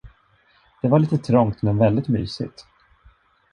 Det var lite trångt men väldigt mysigt.